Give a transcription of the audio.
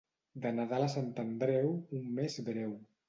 De Nadal a Sant Andreu, un mes breu.